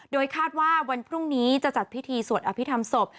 โดยคาดว่าวันพรุ่งนี้จะจัดพิธีสวดอภิษฐรรมศพ